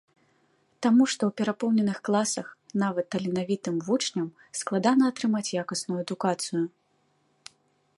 Таму што ў перапоўненых класах нават таленавітым вучням складана атрымаць якасную адукацыю.